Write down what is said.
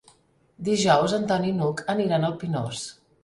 Dijous en Ton i n'Hug aniran al Pinós.